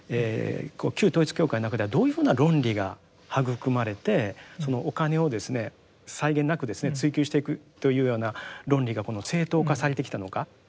旧統一教会の中ではどういうふうな論理が育まれてそのお金を際限なく追求していくというような論理が正当化されてきたのか。